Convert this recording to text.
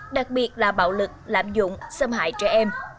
đặc biệt là bạo lực lạm dụng xâm hại trẻ em